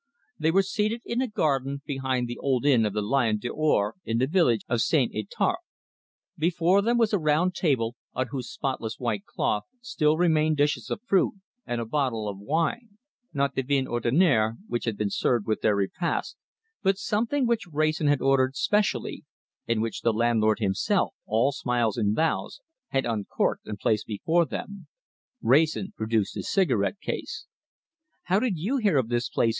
They were seated in a garden behind the old inn of the Lion d'Or, in the village of St. Étarpe. Before them was a round table, on whose spotless white cloth still remained dishes of fruit and a bottle of wine not the vin ordinaire which had been served with their repast, but something which Wrayson had ordered specially, and which the landlord himself, all smiles and bows, had uncorked and placed before them. Wrayson produced his cigarette case. "How did you hear of this place?"